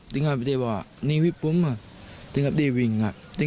ตอนนั้นทางฝั่งทั้งสามพวกเขามี